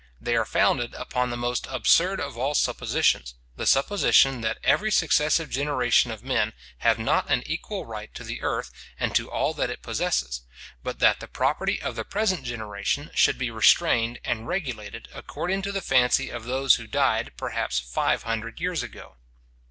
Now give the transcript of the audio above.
They are founded upon the most absurd of all suppositions, the supposition that every successive generation of men have not an equal right to the earth, and to all that it possesses; but that the property of the present generation should be restrained and regulated according to the fancy of those who died, perhaps five hundred years ago.